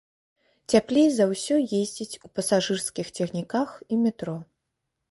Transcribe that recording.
Цяплей за ўсё ездзіць у пасажырскіх цягніках і метро.